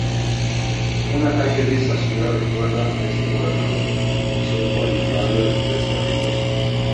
Una calle de esa ciudad recuerda a este gobernador. Concejo en el barrio Tres Cerritos.